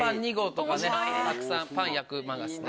たくさんパン焼く漫画っすね。